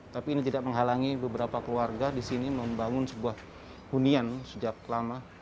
tapi ini tidak menghalangi beberapa keluarga di sini membangun sebuah hunian sejak lama